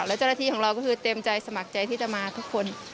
แล้วเจ้าหน้าที่ของเราก็คือเต็มใจสมัครใจที่จะมาทุกคน